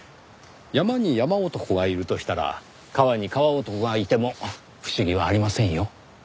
山に山男がいるとしたら川に川男がいても不思議はありませんよ。